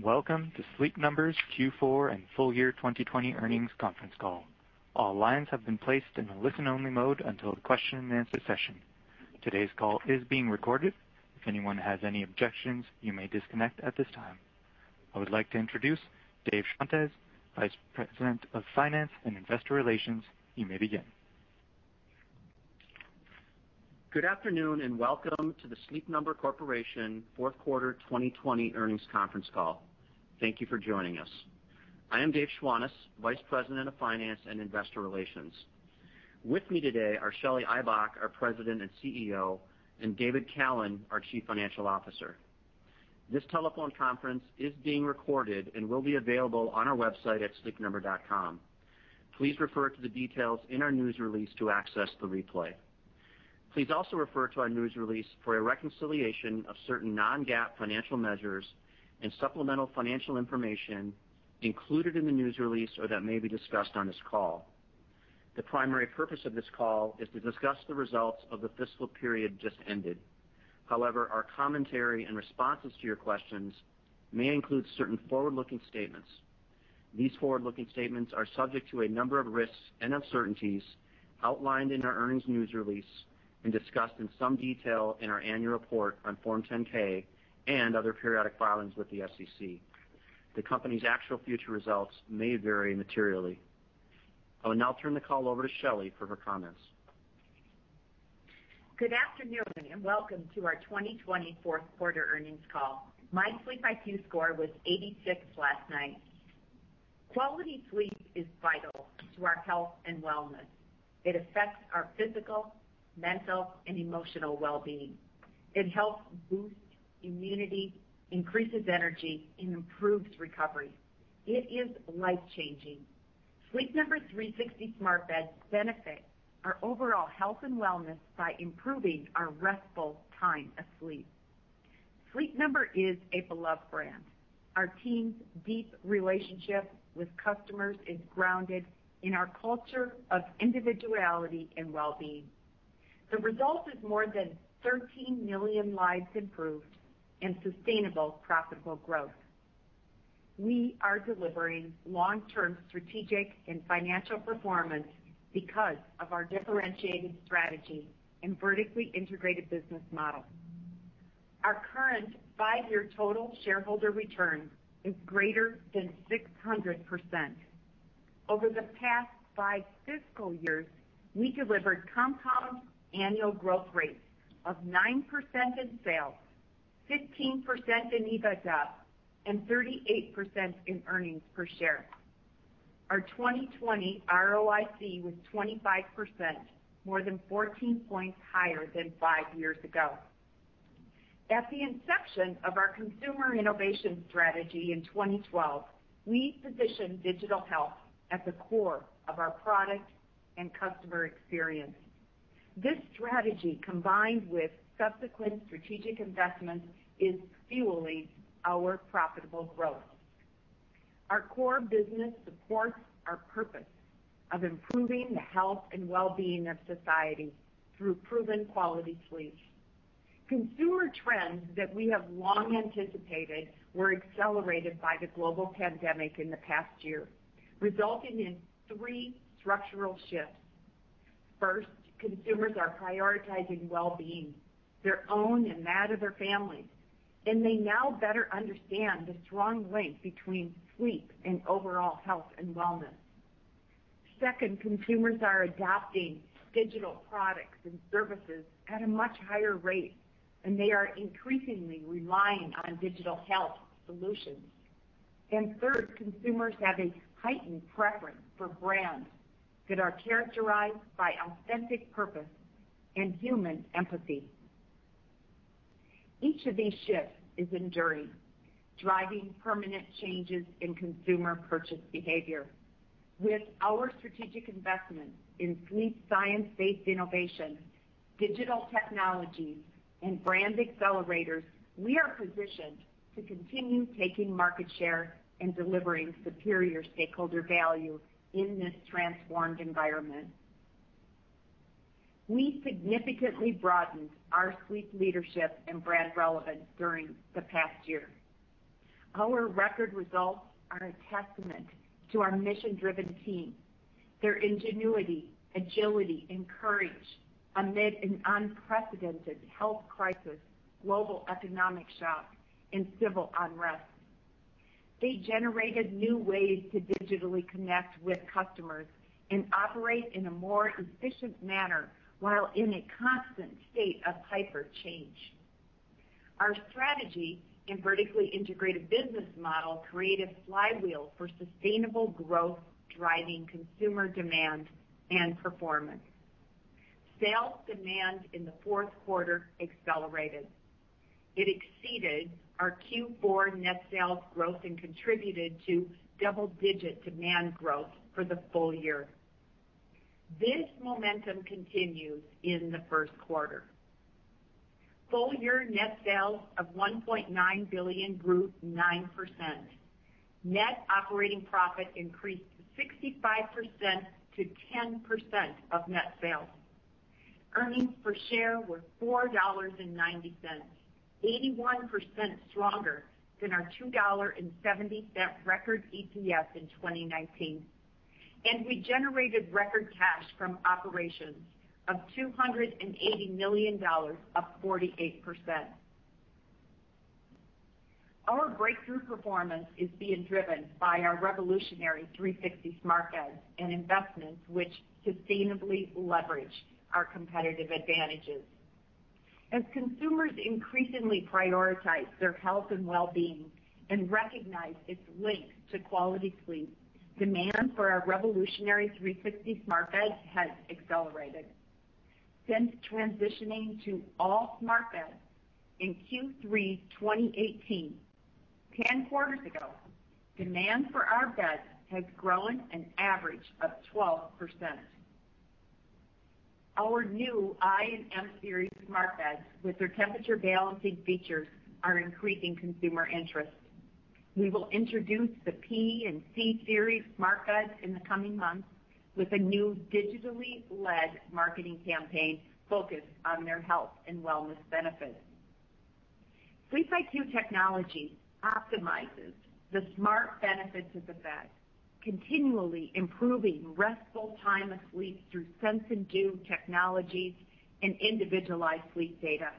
Welcome to Sleep Number's Q4 and full year 2020 earnings conference call. All lines have been placed in a listen-only mode until the question-and-answer session. Today's call is being recorded. If anyone has any objections, you may disconnect at this time. I would like to introduce Dave Schwantes, Vice President of Finance and Investor Relations. You may begin. Good afternoon, and welcome to the Sleep Number Corporation fourth quarter 2020 earnings conference call. Thank you for joining us. I am Dave Schwantes, Vice President of Finance and Investor Relations. With me today are Shelly Ibach, our President and CEO, and David Callen, our Chief Financial Officer. This telephone conference is being recorded and will be available on our website at sleepnumber.com. Please refer to the details in our news release to access the replay. Please also refer to our news release for a reconciliation of certain non-GAAP financial measures and supplemental financial information included in the news release or that may be discussed on this call. The primary purpose of this call is to discuss the results of the fiscal period just ended. However, our commentary and responses to your questions may include certain forward-looking statements. These forward-looking statements are subject to a number of risks and uncertainties outlined in our earnings news release and discussed in some detail in our annual report on Form 10-K and other periodic filings with the SEC. The company's actual future results may vary materially. I will now turn the call over to Shelly for her comments. Good afternoon, welcome to our 2024 fourth quarter earnings call. My SleepIQ score was 86 last night. Quality sleep is vital to our health and wellness. It affects our physical, mental, and emotional well-being. It helps boost immunity, increases energy, and improves recovery. It is life-changing. Sleep Number 360 smart beds benefit our overall health and wellness by improving our restful time of sleep. Sleep Number is a beloved brand. Our team's deep relationship with customers is grounded in our culture of individuality and well-being. The result is more than 13 million lives improved and sustainable, profitable growth. We are delivering long-term strategic and financial performance because of our differentiated strategy and vertically integrated business model. Our current five-year total shareholder return is greater than 600%. Over the past five fiscal years, we delivered compound annual growth rates of 9% in sales, 15% in EBITDA, and 38% in earnings per share. Our 2020 ROIC was 25%, more than 14 points higher than five years ago. At the inception of our consumer innovation strategy in 2012, we positioned digital health at the core of our product and customer experience. This strategy, combined with subsequent strategic investments, is fueling our profitable growth. Our core business supports our purpose of improving the health and well-being of society through proven quality sleep. Consumer trends that we have long anticipated were accelerated by the global pandemic in the past year, resulting in three structural shifts. First, consumers are prioritizing well-being, their own and that of their families, and they now better understand the strong link between sleep and overall health and wellness. Second, consumers are adopting digital products and services at a much higher rate, and they are increasingly relying on digital health solutions. Third, consumers have a heightened preference for brands that are characterized by authentic purpose and human empathy. Each of these shifts is enduring, driving permanent changes in consumer purchase behavior. With our strategic investment in sleep science-based innovation, digital technologies, and brand accelerators, we are positioned to continue taking market share and delivering superior stakeholder value in this transformed environment. We significantly broadened our sleep leadership and brand relevance during the past year. Our record results are a testament to our mission-driven team, their ingenuity, agility, and courage amid an unprecedented health crisis, global economic shock, and civil unrest. They generated new ways to digitally connect with customers and operate in a more efficient manner while in a constant state of hyper change. Our strategy and vertically integrated business model create a flywheel for sustainable growth, driving consumer demand and performance. Sales demand in the fourth quarter accelerated. It exceeded our Q4 net sales growth and contributed to double-digit demand growth for the full year. This momentum continues in the first quarter. Full-year net sales of $1.9 billion grew 9%. Net operating profit increased 65% to 10% of net sales. Earnings per share were $4.90, 81% stronger than our $2.70 record EPS in 2019. We generated record cash from operations of $280 million, up 48%. Our breakthrough performance is being driven by our revolutionary 360 smart beds and investments which sustainably leverage our competitive advantages. As consumers increasingly prioritize their health and well-being and recognize its link to quality sleep, demand for our revolutionary 360 smart beds has accelerated. Since transitioning to all smart beds in Q3 2018, 10 quarters ago, demand for our beds has grown an average of 12%. Our new I and M Series smart beds, with their temperature balancing features, are increasing consumer interest. We will introduce the p- and c-series smart beds in the coming months, with a new digitally led marketing campaign focused on their health and wellness benefits. SleepIQ technology optimizes the smart benefits of the bed, continually improving restful time of sleep through sense and do technologies and individualized sleep data.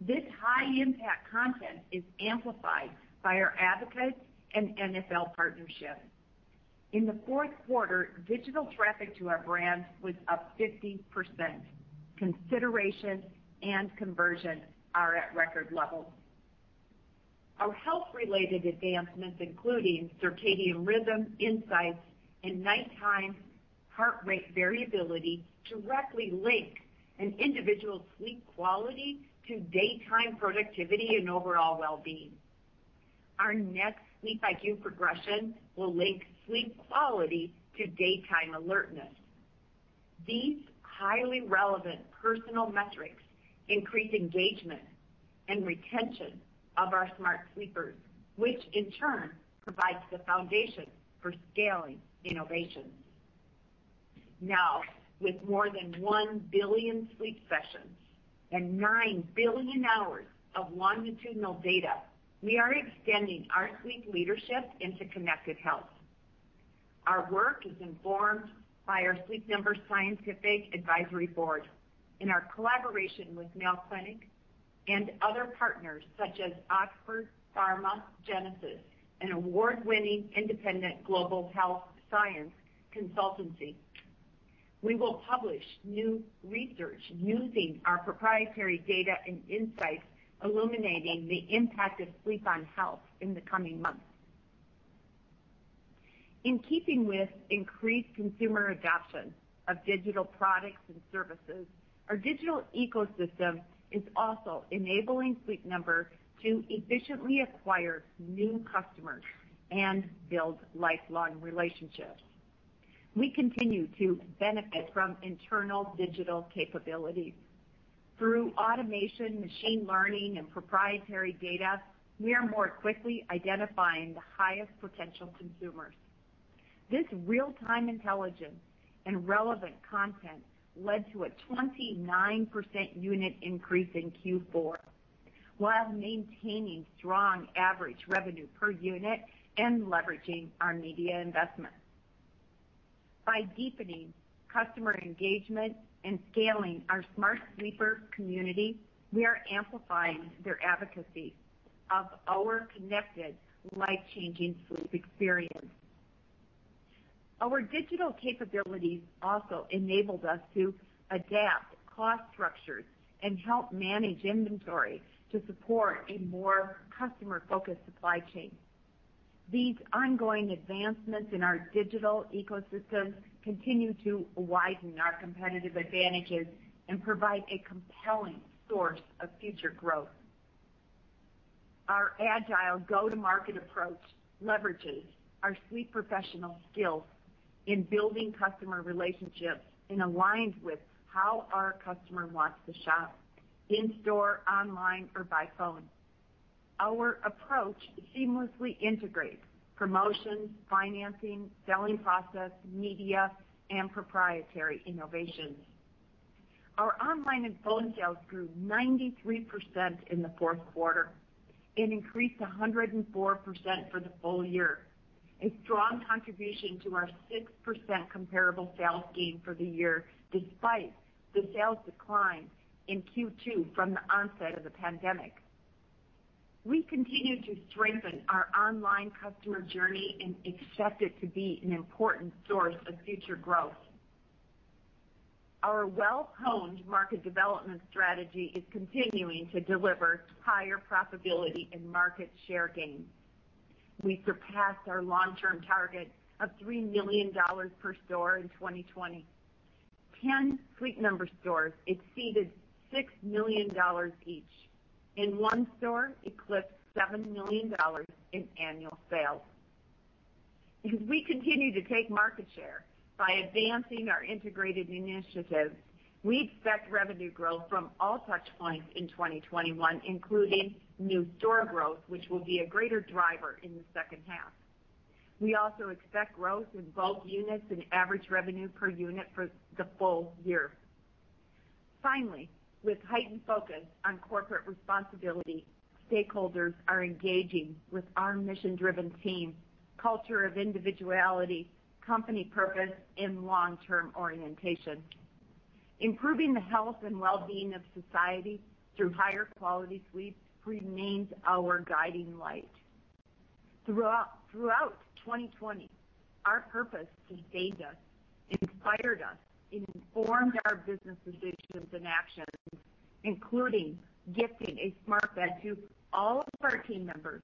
This high impact content is amplified by our advocates and NFL partnership. In the 4th quarter, digital traffic to our brand was up 50%. Consideration and conversion are at record levels. Our health-related advancements, including circadian rhythm insights and nighttime Heart Rate Variability, directly link an individual's sleep quality to daytime productivity and overall well-being. Our next SleepIQ progression will link sleep quality to daytime alertness. These highly relevant personal metrics increase engagement and retention of our smart sleepers, which in turn provides the foundation for scaling innovations. Now, with more than 1 billion sleep sessions and 9 billion hours of longitudinal data, we are extending our sleep leadership into connected health. Our work is informed by our Sleep Number Scientific Advisory Board in our collaboration with Mayo Clinic and other partners such as Oxford PharmaGenesis, an award-winning independent global health science consultancy. We will publish new research using our proprietary data and insights, illuminating the impact of sleep on health in the coming months. In keeping with increased consumer adoption of digital products and services, our digital ecosystem is also enabling Sleep Number to efficiently acquire new customers and build lifelong relationships. We continue to benefit from internal digital capabilities. Through automation, machine learning, and proprietary data, we are more quickly identifying the highest potential consumers. This real-time intelligence and relevant content led to a 29% unit increase in Q4, while maintaining strong average revenue per unit and leveraging our media investments. By deepening customer engagement and scaling our smart sleeper community, we are amplifying their advocacy of our connected, life-changing sleep experience. Our digital capabilities also enabled us to adapt cost structures and help manage inventory to support a more customer-focused supply chain. These ongoing advancements in our digital ecosystem continue to widen our competitive advantages and provide a compelling source of future growth. Our agile go-to-market approach leverages our sleep professional skills in building customer relationships and aligns with how our customer wants to shop: in-store, online, or by phone. Our approach seamlessly integrates promotions, financing, selling process, media, and proprietary innovations. Our online and phone sales grew 93% in the fourth quarter and increased 104% for the full year, a strong contribution to our 6% comparable sales gain for the year, despite the sales decline in Q2 from the onset of the pandemic. We continue to strengthen our online customer journey and expect it to be an important source of future growth. Our well-honed market development strategy is continuing to deliver higher profitability and market share gains. We surpassed our long-term target of $3 million per store in 2020. 10 Sleep Number stores exceeded $6 million each, and one store eclipsed $7 million in annual sales. As we continue to take market share by advancing our integrated initiatives, we expect revenue growth from all touch points in 2021, including new store growth, which will be a greater driver in the second half. We also expect growth in both units and average revenue per unit for the full year. Finally, with heightened focus on corporate responsibility, stakeholders are engaging with our mission-driven team, culture of individuality, company purpose, and long-term orientation. Improving the health and well-being of society through higher quality sleep remains our guiding light. Throughout 2020, our purpose sustained us, inspired us, and informed our business decisions and actions, including gifting a smart bed to all of our team members,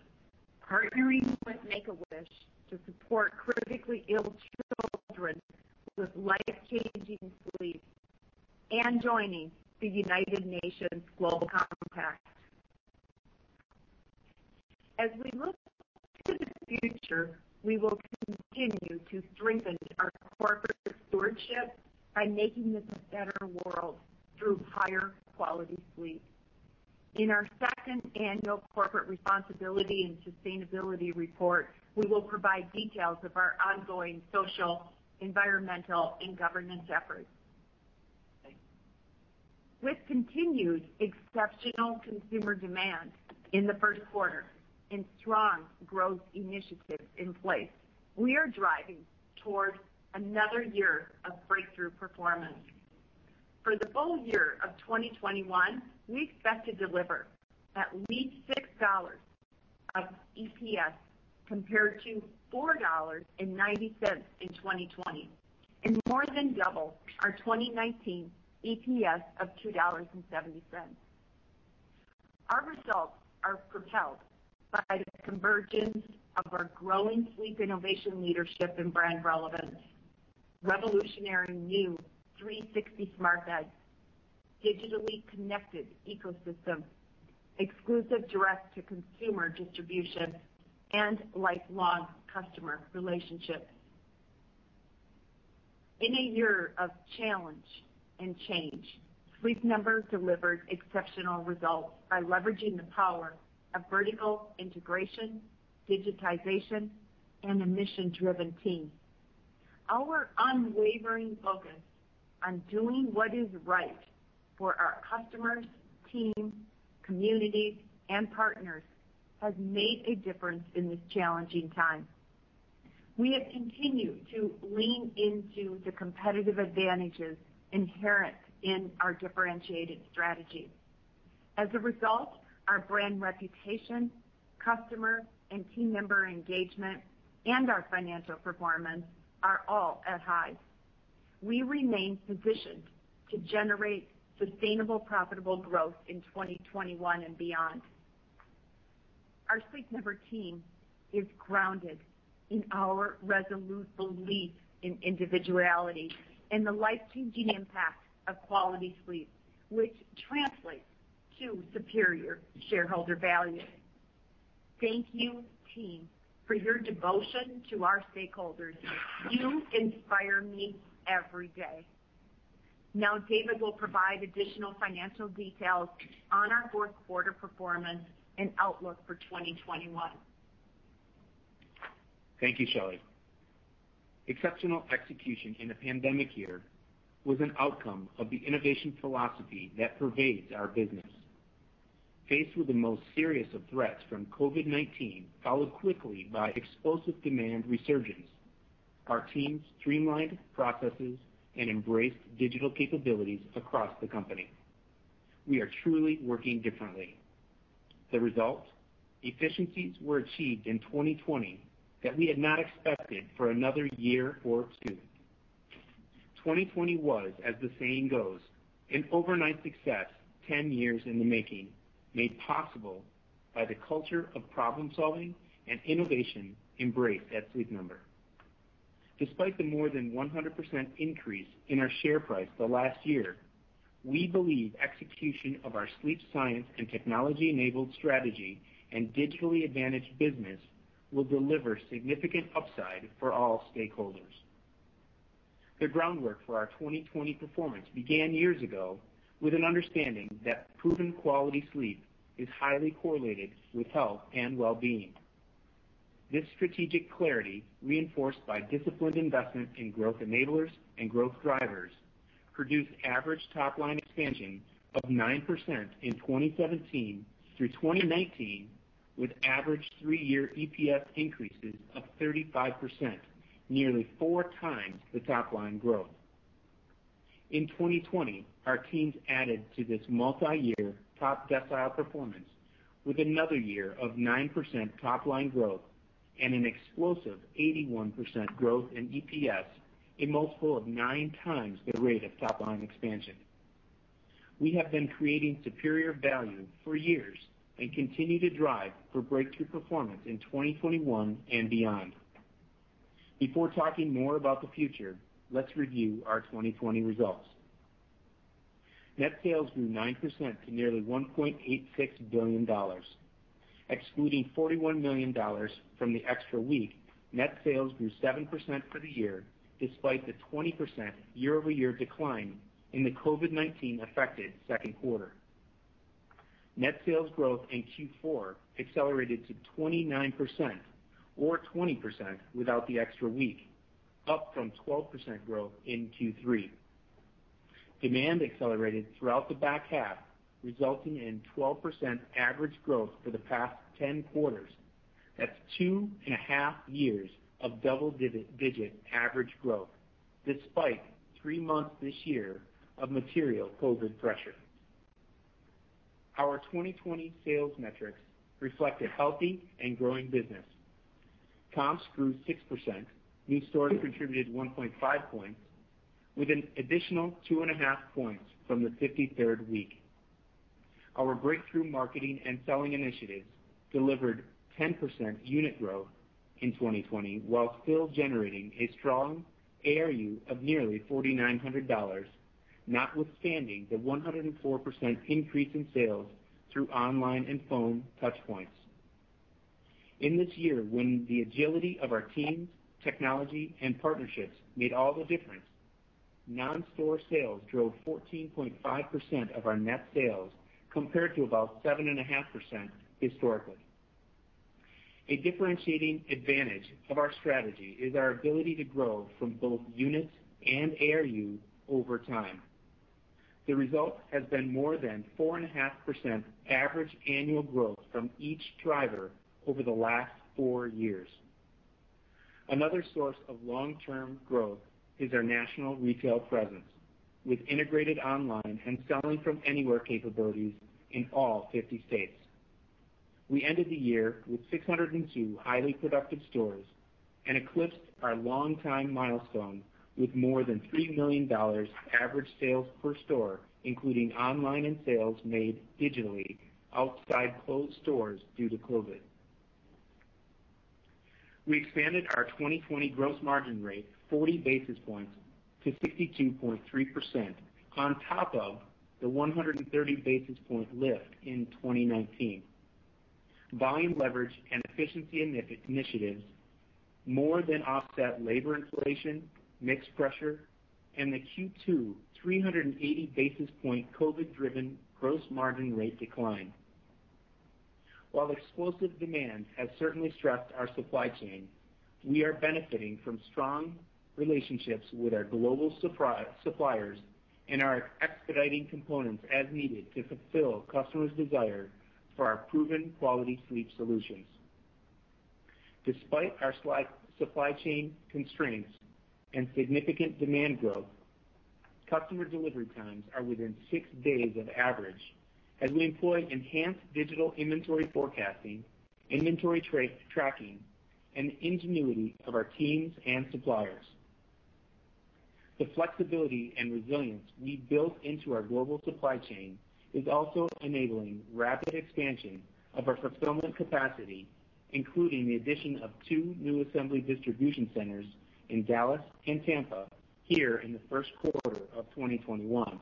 partnering with Make-A-Wish to support critically ill children with life-changing sleep, and joining the United Nations Global Compact. As we look to the future, we will continue to strengthen our corporate stewardship by making this a better world through higher quality sleep. In our second annual Corporate Responsibility and Sustainability Report, we will provide details of our ongoing social, environmental, and governance efforts. With continued exceptional consumer demand in the first quarter and strong growth initiatives in place, we are driving towards another year of breakthrough performance. For the full year of 2021, we expect to deliver at least $6 of EPS compared to $4.90 in 2020, and more than double our 2019 EPS of $2.70. Our results are propelled by the convergence of our growing sleep innovation, leadership, and brand relevance, revolutionary new 360 smart beds, digitally connected ecosystem, exclusive direct-to-consumer distribution, and lifelong customer relationships. In a year of challenge and change, Sleep Number delivered exceptional results by leveraging the power of vertical integration, digitization, and a mission-driven team. Our unwavering focus on doing what is right for our customers, team, communities, and partners has made a difference in this challenging time. We have continued to lean into the competitive advantages inherent in our differentiated strategy. As a result, our brand reputation, customer, and team member engagement, and our financial performance are all at highs. We remain positioned to generate sustainable, profitable growth in 2021 and beyond. Our Sleep Number team is grounded in our resolute belief in individuality and the life-changing impact of quality sleep, which translates to superior shareholder value. Thank you, team, for your devotion to our stakeholders. You inspire me every day. Now, David will provide additional financial details on our fourth quarter performance and outlook for 2021. Thank you, Shelly. Exceptional execution in a pandemic year was an outcome of the innovation philosophy that pervades our business. Faced with the most serious of threats from COVID-19, followed quickly by explosive demand resurgence, our teams streamlined processes and embraced digital capabilities across the company. We are truly working differently. The result? Efficiencies were achieved in 2020 that we had not expected for another year or two. 2020 was, as the saying goes, an overnight success 10 years in the making, made possible by the culture of problem-solving and innovation embraced at Sleep Number. Despite the more than 100% increase in our share price the last year, we believe execution of our sleep science and technology-enabled strategy and digitally advantaged business will deliver significant upside for all stakeholders. The groundwork for our 2020 performance began years ago with an understanding that proven quality sleep is highly correlated with health and well-being. This strategic clarity, reinforced by disciplined investment in growth enablers and growth drivers, produced average top line expansion of 9% in 2017 through 2019, with average 3-year EPS increases of 35%, nearly 4x the top line growth. In 2020, our teams added to this multiyear top decile performance with another year of 9% top line growth and an explosive 81% growth in EPS, a multiple of 9x the rate of top line expansion. We have been creating superior value for years and continue to drive for breakthrough performance in 2021 and beyond. Before talking more about the future, let's review our 2020 results. Net sales grew 9% to nearly $1.86 billion. Excluding $41 million from the extra week, net sales grew 7% for the year, despite the 20% year-over-year decline in the COVID-19 affected second quarter. Net sales growth in Q4 accelerated to 29%, or 20% without the extra week, up from 12% growth in Q3. Demand accelerated throughout the back half, resulting in 12% average growth for the past 10 quarters. That's 2.5 years of double digit average growth, despite three months this year of material COVID pressure. Our 2020 sales metrics reflect a healthy and growing business. Comps grew 6%, new stores contributed 1.5 points, with an additional 2.5 points from the 53rd week. Our breakthrough marketing and selling initiatives delivered 10% unit growth in 2020, while still generating a strong ARU of nearly $4,900, notwithstanding the 104% increase in sales through online and phone touch points. In this year, when the agility of our teams, technology, and partnerships made all the difference, non-store sales drove 14.5% of our net sales, compared to about 7.5% historically. A differentiating advantage of our strategy is our ability to grow from both units and ARU over time. The result has been more than 4.5% average annual growth from each driver over the last four years. Another source of long-term growth is our national retail presence, with integrated online and selling from anywhere capabilities in all 50 states. We ended the year with 602 highly productive stores and eclipsed our long-time milestone with more than $3 million average sales per store, including online and sales made digitally outside closed stores due to COVID. We expanded our 2020 gross margin rate 40 basis points to 62.3%, on top of the 130 basis point lift in 2019. Volume leverage and efficiency initiatives, more than offset labor inflation, mix pressure, and the Q2 380 basis point COVID-driven gross margin rate decline. While explosive demand has certainly stressed our supply chain, we are benefiting from strong relationships with our global suppliers and are expediting components as needed to fulfill customers' desire for our proven quality sleep solutions. Despite our supply chain constraints and significant demand growth, customer delivery times are within 6 days of average as we employ enhanced digital inventory forecasting, inventory tracking, and ingenuity of our teams and suppliers. The flexibility and resilience we built into our global supply chain is also enabling rapid expansion of our fulfillment capacity, including the addition of 2 new assembly distribution centers in Dallas and Tampa here in the first quarter of 2021.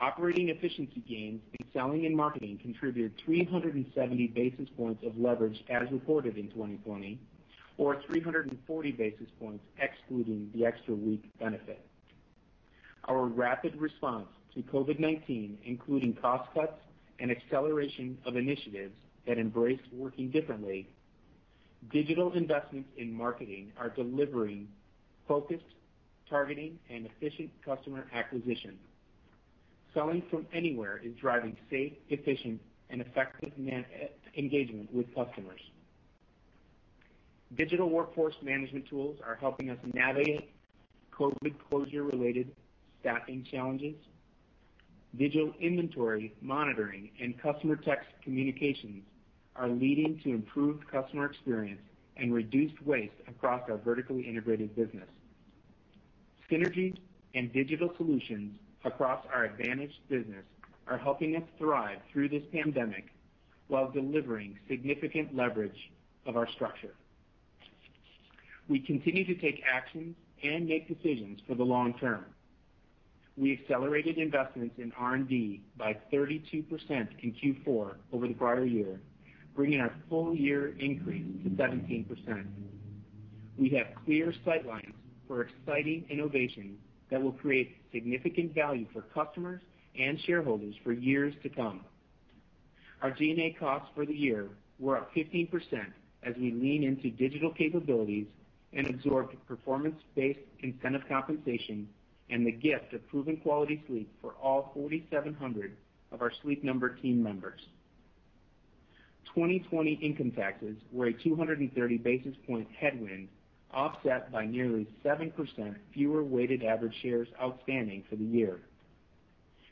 Operating efficiency gains in selling and marketing contributed 370 basis points of leverage as reported in 2020, or 340 basis points, excluding the extra week benefit. Our rapid response to COVID-19, including cost cuts and acceleration of initiatives that embrace working differently. Digital investments in marketing are delivering focused, targeting, and efficient customer acquisition. Selling from anywhere is driving safe, efficient, and effective man engagement with customers. Digital workforce management tools are helping us navigate COVID closure-related staffing challenges. Digital inventory, monitoring, and customer text communications are leading to improved customer experience and reduced waste across our vertically integrated business. Synergies and digital solutions across our advantaged business are helping us thrive through this pandemic while delivering significant leverage of our structure. We continue to take actions and make decisions for the long term. We accelerated investments in R&D by 32% in Q4 over the prior year, bringing our full year increase to 17%. We have clear sight lines for exciting innovation that will create significant value for customers and shareholders for years to come. Our G&A costs for the year were up 15% as we lean into digital capabilities and absorb performance-based incentive compensation and the gift of proven quality sleep for all 4,700 of our Sleep Number team members. 2020 income taxes were a 230 basis point headwind, offset by nearly 7% fewer weighted average shares outstanding for the year.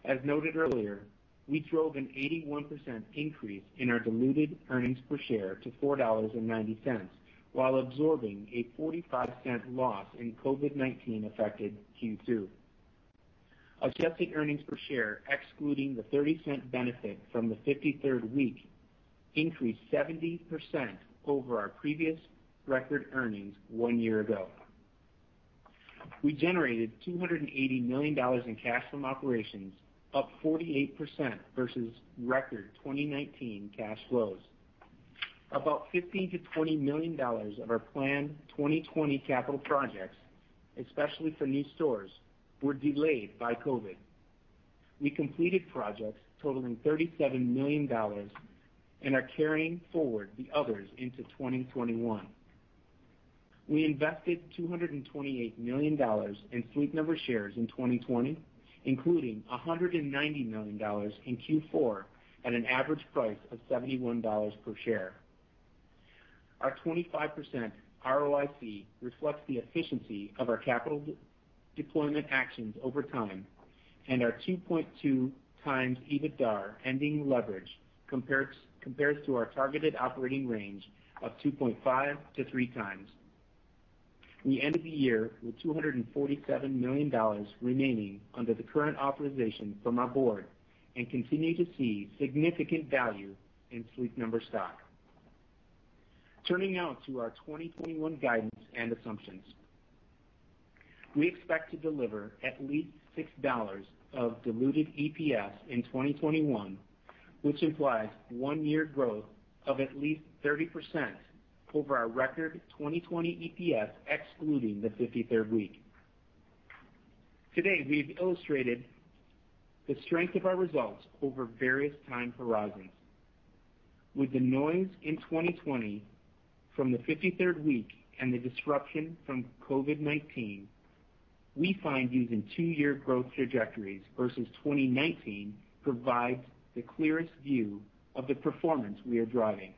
As noted earlier, we drove an 81% increase in our diluted earnings per share to $4.90, while absorbing a $0.45 loss in COVID-19 affected Q2. Adjusted earnings per share, excluding the $0.30 benefit from the 53rd week, increased 70% over our previous record earnings one year ago. We generated $280 million in cash from operations, up 48% versus record 2019 cash flows. About $15 million-$20 million of our planned 2020 capital projects, especially for new stores, were delayed by COVID. We completed projects totaling $37 million and are carrying forward the others into 2021. We invested $228 million in Sleep Number shares in 2020, including $190 million in Q4, at an average price of $71 per share. Our 25% ROIC reflects the efficiency of our capital deployment actions over time, and our 2.2x EBITDA ending leverage compares to our targeted operating range of 2.5x to 3x. We end the year with $247 million remaining under the current authorization from our board and continue to see significant value in Sleep Number stock. Turning now to our 2021 guidance and assumptions. We expect to deliver at least $6 of diluted EPS in 2021, which implies 1-year growth of at least 30% over our record 2020 EPS, excluding the 53rd week. Today, we've illustrated the strength of our results over various time horizons. With the noise in 2020 from the 53rd week and the disruption from COVID-19, we find using 2-year growth trajectories versus 2019 provides the clearest view of the performance we are driving.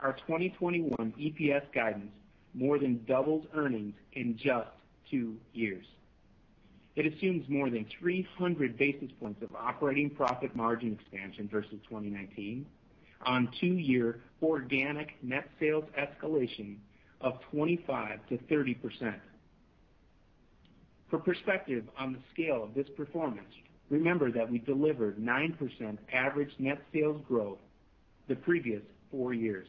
Our 2021 EPS guidance more than doubles earnings in just 2 years. It assumes more than 300 basis points of operating profit margin expansion versus 2019 on 2-year organic net sales escalation of 25%-30%. For perspective on the scale of this performance, remember that we delivered 9% average net sales growth the previous four years.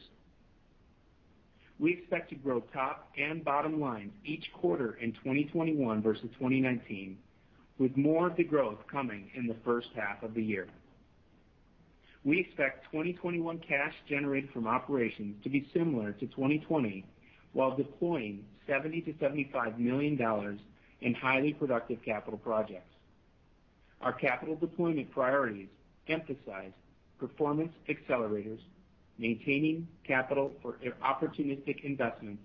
We expect to grow top and bottom lines each quarter in 2021 versus 2019, with more of the growth coming in the first half of the year. We expect 2021 cash generated from operations to be similar to 2020, while deploying $70 million-$75 million in highly productive capital projects. Our capital deployment priorities emphasize performance accelerators, maintaining capital for opportunistic investments,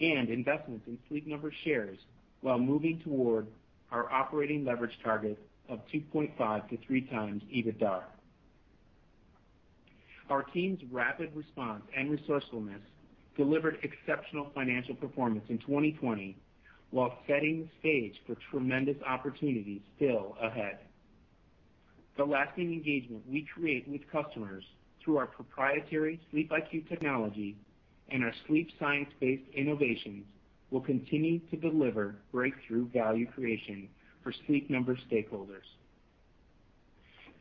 and investments in Sleep Number shares, while moving toward our operating leverage target of 2.5x to 3x EBITDA. Our team's rapid response and resourcefulness delivered exceptional financial performance in 2020, while setting the stage for tremendous opportunities still ahead. The lasting engagement we create with customers through our proprietary SleepIQ technology and our sleep science-based innovations will continue to deliver breakthrough value creation for Sleep Number stakeholders.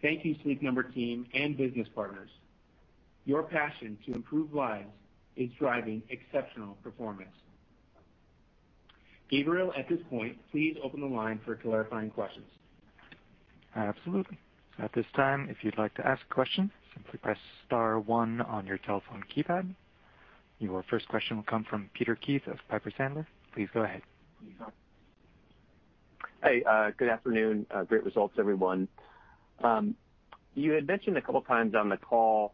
Thank you, Sleep Number team and business partners. Your passion to improve lives is driving exceptional performance. Gabriel, at this point, please open the line for clarifying questions. Absolutely. At this time, if you'd like to ask a question, simply press star one on your telephone keypad. Your first question will come from Peter Keith of Piper Sandler. Please go ahead. Please go on. Hey, good afternoon. Great results, everyone. You had mentioned a couple of times on the call,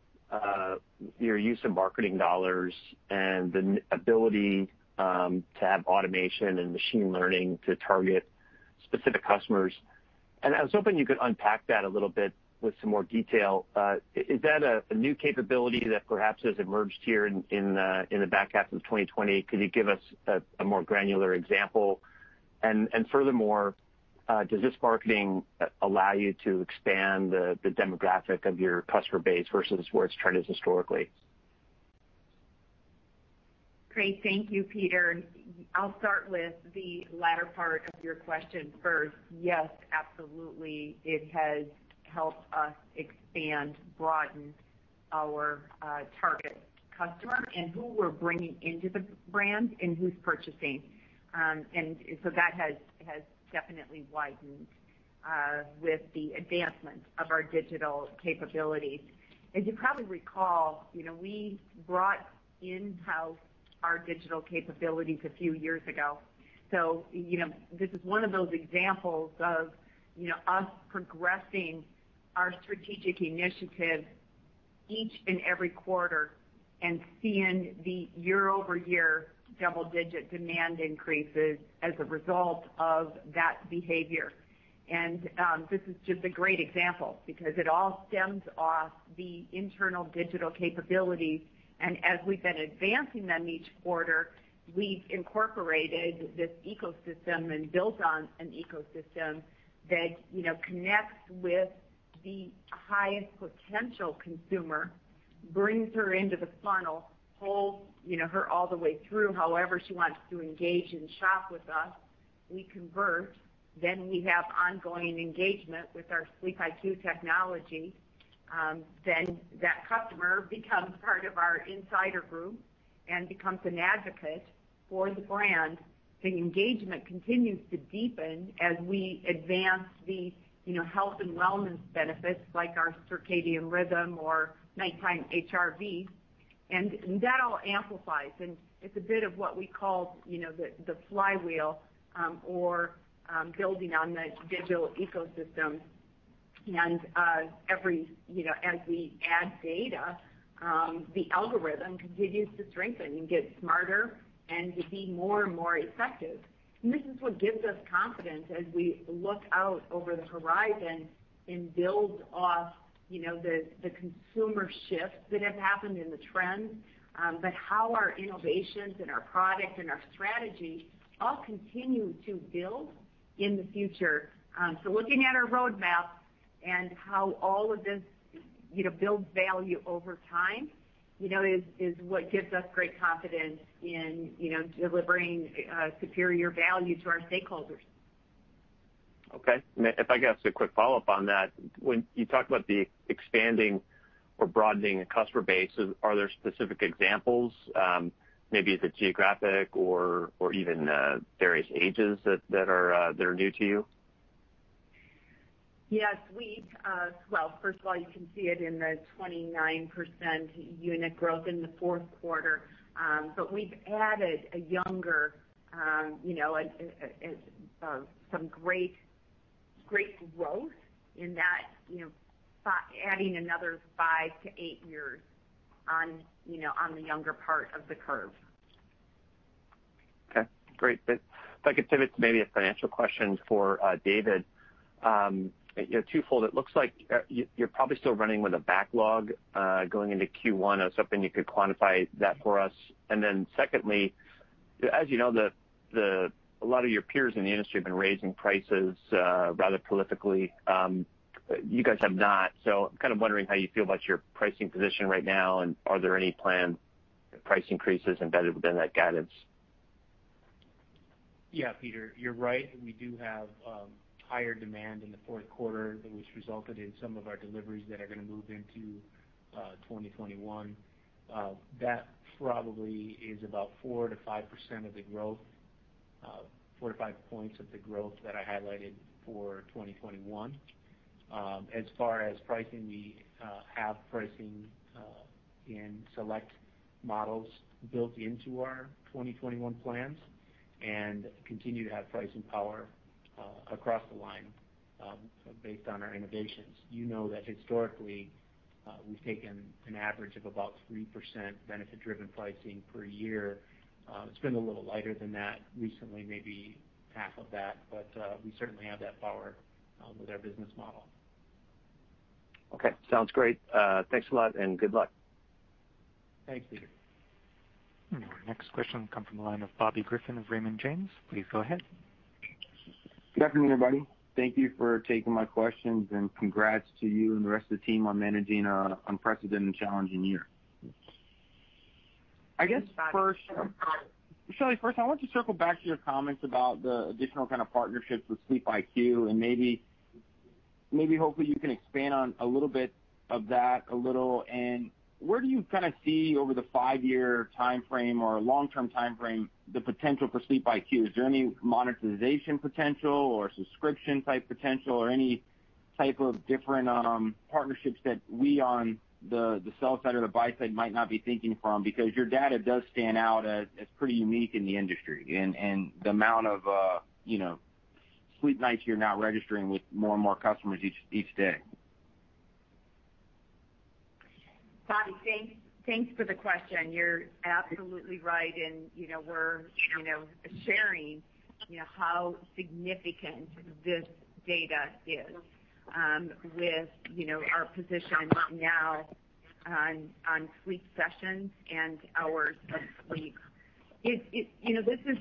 your use of marketing dollars and the ability to have automation and machine learning to target specific customers, and I was hoping you could unpack that a little bit with some more detail. Is that a new capability that perhaps has emerged here in the back half of 2020? Could you give us a more granular example? Furthermore, does this marketing allow you to expand the demographic of your customer base versus where it's trended historically? Great. Thank you, Peter. I'll start with the latter part of your question first. Yes, absolutely. It has helped us expand, broaden our target customer and who we're bringing into the brand and who's purchasing. That has definitely widened with the advancement of our digital capabilities. As you probably recall, you know, we brought in-house our digital capabilities a few years ago. You know, this is one of those examples of, you know, us progressing our strategic initiatives each and every quarter and seeing the year-over-year double-digit demand increases as a result of that behavior. This is just a great example because it all stems off the internal digital capabilities, and as we've been advancing them each quarter, we've incorporated this ecosystem and built on an ecosystem that, you know, connects with the highest potential consumer, brings her into the funnel, holds, you know, her all the way through, however she wants to engage and shop with us. We convert, then we have ongoing engagement with our SleepIQ technology. That customer becomes part of our insider group and becomes an advocate for the brand. The engagement continues to deepen as we advance the, you know, health and wellness benefits, like our circadian rhythm or nighttime HRV, and that all amplifies, and it's a bit of what we call, you know, the flywheel, or building on the digital ecosystem. Every, you know, as we add data, the algorithm continues to strengthen and get smarter and to be more and more effective. This is what gives us confidence as we look out over the horizon and build off, you know, the consumer shifts that have happened in the trends, but how our innovations and our products and our strategy all continue to build in the future. Looking at our roadmap and how all of this, you know, builds value over time, you know, is what gives us great confidence in, you know, delivering superior value to our stakeholders. If I could ask a quick follow-up on that. When you talk about the expanding or broadening the customer base, are there specific examples? Maybe is it geographic or even various ages that are new to you? Yes, we, well, first of all, you can see it in the 29% unit growth in the fourth quarter. We've added a younger, you know, a great growth in that, you know, by adding another 5 to 8 years on, you know, on the younger part of the curve. Okay, great. If I could pivot to maybe a financial question for David. You know, twofold, it looks like you're probably still running with a backlog going into Q1. I was hoping you could quantify that for us. Secondly, as you know, a lot of your peers in the industry have been raising prices rather prolifically. You guys have not. I'm kind of wondering how you feel about your pricing position right now, and are there any planned price increases embedded within that guidance? Peter, you're right. We do have higher demand in the fourth quarter, which resulted in some of our deliveries that are going to move into 2021. That probably is about 4%-5% of the growth, 4-5 points of the growth that I highlighted for 2021. As far as pricing, we have pricing in select models built into our 2021 plans and continue to have pricing power across the line based on our innovations. You know that historically, we've taken an average of about 3% benefit-driven pricing per year. It's been a little lighter than that recently, maybe half of that, but we certainly have that power with our business model. Okay, sounds great. Thanks a lot, and good luck. Thanks, Peter. Our next question come from the line of Bobby Griffin of Raymond James. Please go ahead. Good afternoon, everybody. Thank you for taking my questions. Congrats to you and the rest of the team on managing an unprecedented and challenging year. I guess, Shelly, first, I want you to circle back to your comments about the additional kind of partnerships with SleepIQ, and maybe, hopefully, you can expand on a little bit of that a little. Where do you kind of see over the 5-year time frame or long-term time frame, the potential for SleepIQ? Is there any monetization potential or subscription-type potential or any type of different partnerships that we on the sell side or the buy side might not be thinking from? Your data does stand out as pretty unique in the industry and the amount of, you know, sleep nights you're now registering with more and more customers each day. Bobby, thanks for the question. You're absolutely right, you know, we're, you know, sharing, you know, how significant this data is, with, you know, our position now on sleep sessions and hours of sleep. It, you know, this is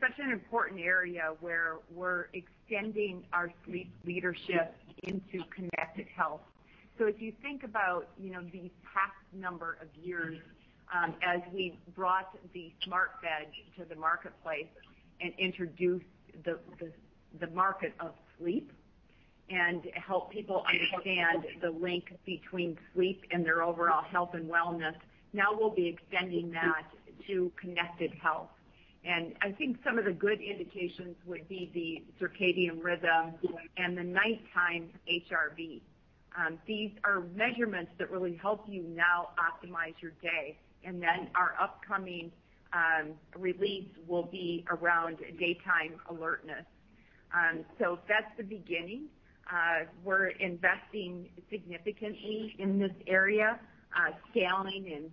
such an important area where we're extending our sleep leadership into connected health. If you think about, you know, the past number of years, as we've brought the smart bed to the marketplace and introduced the market of sleep and help people understand the link between sleep and their overall health and wellness, now we'll be extending that to connected health. I think some of the good indications would be the circadian rhythm and the nighttime HRV. These are measurements that really help you now optimize your day, and then our upcoming release will be around daytime alertness. That's the beginning. We're investing significantly in this area, scaling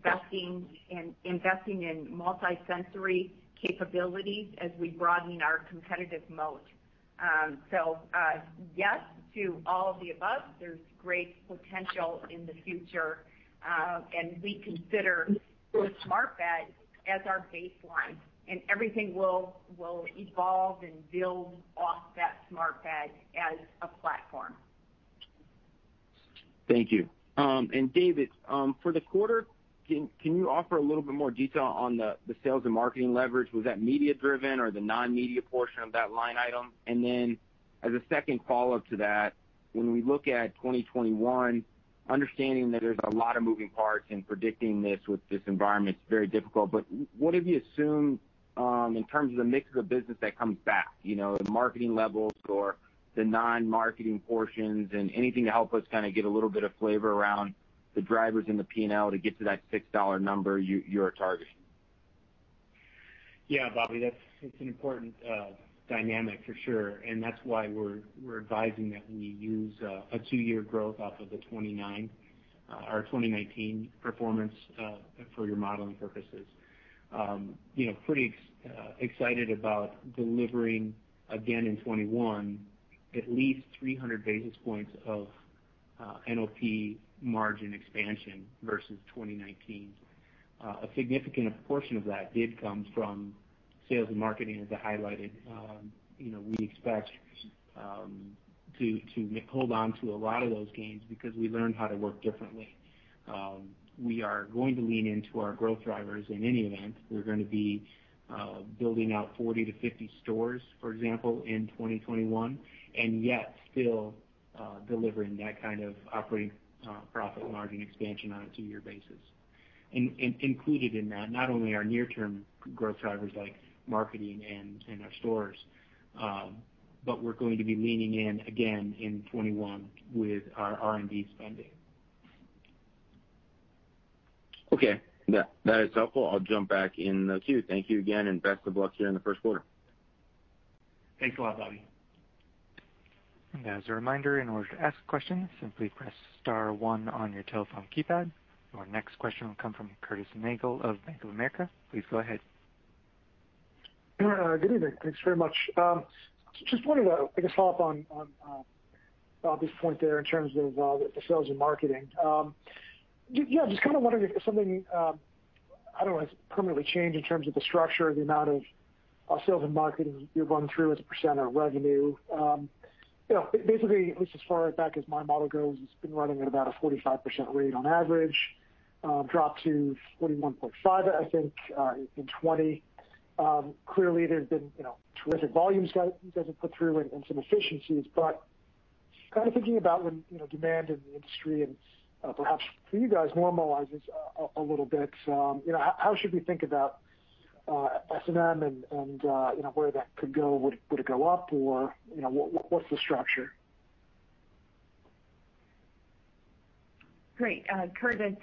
and investing in multi-sensory capabilities as we broaden our competitive moat. Yes to all of the above, there's great potential in the future, and we consider the smart bed as our baseline, and everything will evolve and build off that smart bed as a platform. Thank you. David, for the quarter, can you offer a little bit more detail on the sales and marketing leverage? Was that media-driven or the non-media portion of that line item? As a second follow-up to that, when we look at 2021, understanding that there's a lot of moving parts in predicting this with this environment, it's very difficult. What have you assumed in terms of the mix of the business that comes back? You know, the marketing levels or the non-marketing portions, and anything to help us kind of get a little bit of flavor around the drivers in the P&L to get to that $6 number you're targeting. Yeah, Bobby, that's it's an important dynamic for sure. That's why we're advising that we use a two-year growth off of the 2019, our 2019 performance for your modeling purposes. You know, pretty excited about delivering again in 2021, at least 300 basis points of NOP margin expansion versus 2019. A significant portion of that did come from sales and marketing, as I highlighted. You know, we expect to hold on to a lot of those gains because we learned how to work differently. We are going to lean into our growth drivers. In any event, we're going to be building out 40-50 stores, for example, in 2021, and yet still delivering that kind of operating profit margin expansion on a two-year basis. Included in that, not only our near-term growth drivers like marketing and our stores, but we're going to be leaning in again in 2021 with our R&D spending. Okay. That is helpful. I'll jump back in the queue. Thank you again, and best of luck here in the first quarter. Thanks a lot, Bobby. As a reminder, in order to ask a question, simply press star one on your telephone keypad. Our next question will come from Curtis Nagle of Bank of America. Please go ahead. Good evening. Thanks very much. Just wanted to pick a follow-up on Bobby's point there in terms of the sales and marketing. Yeah, just kind of wondering if something, I don't know, has permanently changed in terms of the structure or the amount of sales and marketing you're going through as a percent of revenue. You know, basically, at least as far back as my model goes, it's been running at about a 45% rate on average, dropped to 41.5%, I think, in 2020. Clearly, there's been, you know, terrific volumes you guys have put through and some efficiencies, but kind of thinking about when, you know, demand in the industry and perhaps for you guys normalizes a little bit. You know, how should we think about S&M and, you know, where that could go? Would it go up or, you know, what's the structure? Great. Curtis,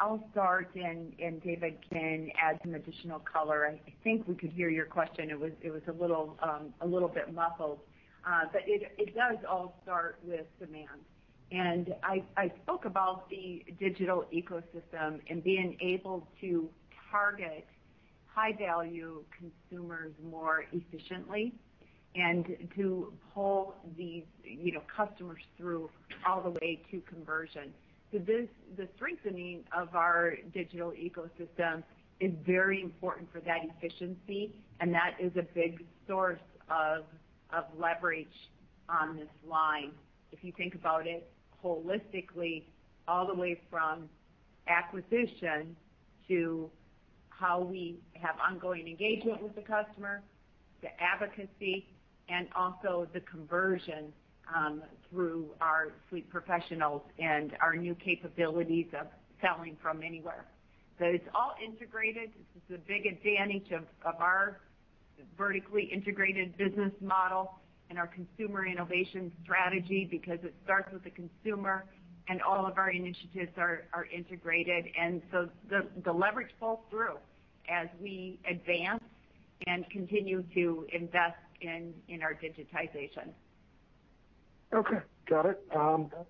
I'll start and David can add some additional color. I think we could hear your question. It was a little, a little bit muffled. It does all start with demand. I spoke about the digital ecosystem and being able to target high-value consumers more efficiently and to pull these, you know, customers through all the way to conversion. The strengthening of our digital ecosystem is very important for that efficiency, and that is a big source of leverage on this line. If you think about it holistically, all the way from acquisition to how we have ongoing engagement with the customer, the advocacy, and also the conversion through our sleep professionals and our new capabilities of selling from anywhere. It's all integrated. This is a big advantage of our vertically integrated business model and our consumer innovation strategy, because it starts with the consumer and all of our initiatives are integrated, and so the leverage falls through as we advance and continue to invest in our digitization. Okay, got it.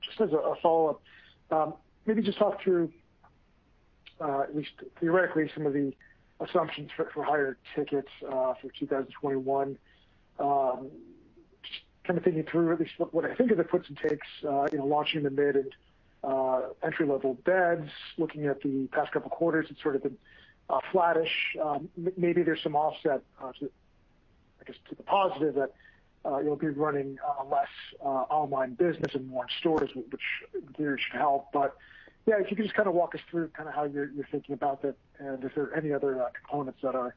Just as a follow-up, maybe just talk through, at least theoretically, some of the assumptions for higher tickets for 2021. Kind of thinking through at least what I think are the puts and takes in launching the mid and entry-level beds. Looking at the past couple of quarters, it's sort of been flattish. Maybe there's some offset to, I guess, to the positive that you'll be running less online business and more in stores, which clearly should help. Yeah, if you could just kind of walk us through kind of how you're thinking about that, and if there are any other components that are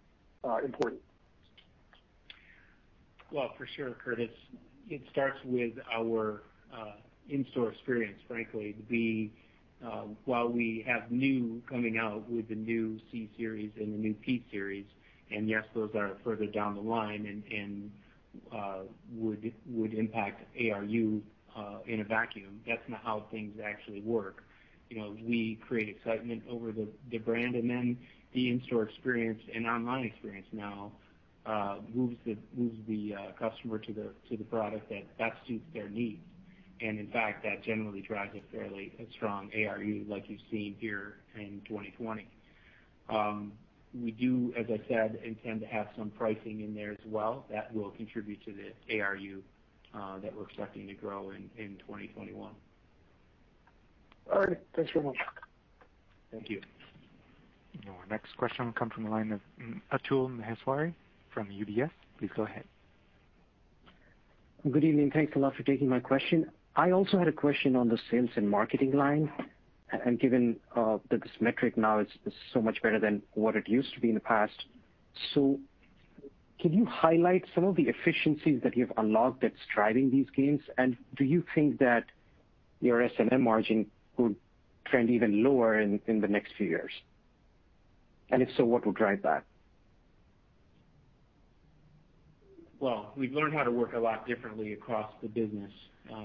important. Well, for sure, Curtis, it starts with our in-store experience, frankly. We while we have new coming out with the new c-series and the new p-series, and yes, those are further down the line and would impact ARU in a vacuum, that's not how things actually work. You know, we create excitement over the brand, and then the in-store experience and online experience now moves the customer to the product that best suits their needs. In fact, that generally drives a fairly strong ARU, like you've seen here in 2020. We do, as I said, intend to have some pricing in there as well. That will contribute to the ARU that we're expecting to grow in 2021. All right. Thanks very much. Thank you. Our next question will come from the line of Atul Maheswari from UBS. Please go ahead. Good evening. Thanks a lot for taking my question. I also had a question on the sales and marketing line. Given that this metric now is so much better than what it used to be in the past. Can you highlight some of the efficiencies that you've unlocked that's driving these gains? Do you think that your SMM margin would trend even lower in the next few years? If so, what would drive that? Well, we've learned how to work a lot differently across the business.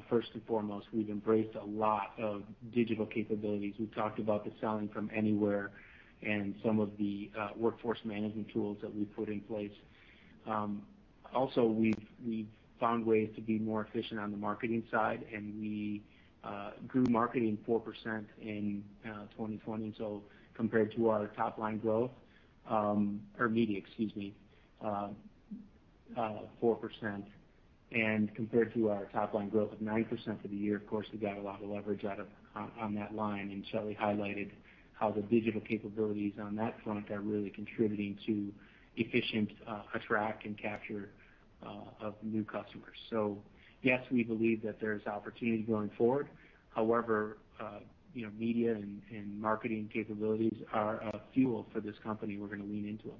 First and foremost, we've embraced a lot of digital capabilities. We've talked about the selling from anywhere and some of the workforce management tools that we put in place. Also, we've found ways to be more efficient on the marketing side, and we grew marketing 4% in 2020. Compared to our top line growth, or media, excuse me, 4%. Compared to our top line growth of 9% for the year, of course, we got a lot of leverage on that line. Shelly highlighted how the digital capabilities on that front are really contributing to efficient, attract and capture of new customers. Yes, we believe that there's opportunity going forward. you know, media and marketing capabilities are a fuel for this company. We're going to lean into them.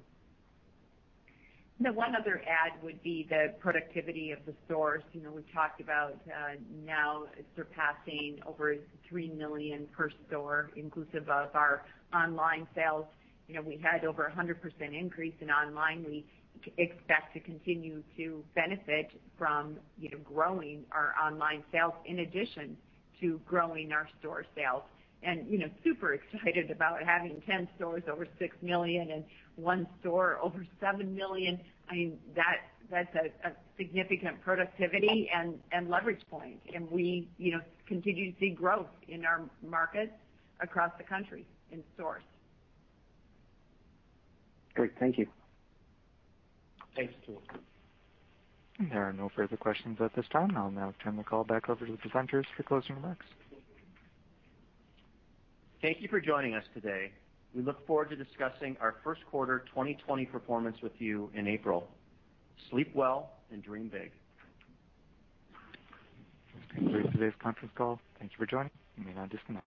The one other add would be the productivity of the stores. You know, we've talked about now surpassing over $3 million per store, inclusive of our online sales. You know, we had over a 100% increase in online. We expect to continue to benefit from, you know, growing our online sales in addition to growing our store sales. You know, super excited about having 10 stores over $6 million and one store over $7 million. I mean, that's a significant productivity and leverage point, and we, you know, continue to see growth in our markets across the country in stores. Great. Thank you. Thanks, Atul. There are no further questions at this time. I'll now turn the call back over to the presenters for closing remarks. Thank you for joining us today. We look forward to discussing our first quarter 2020 performance with you in April. Sleep well and dream big. That concludes today's conference call. Thank you for joining. You may now disconnect.